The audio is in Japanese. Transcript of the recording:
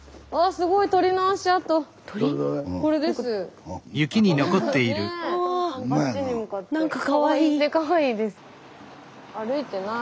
スタジオ何かかわいい！ねかわいいです。